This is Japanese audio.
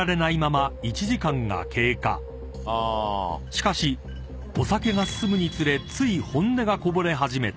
［しかしお酒が進むにつれつい本音がこぼれ始めた］